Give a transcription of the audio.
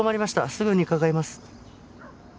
すぐに伺います。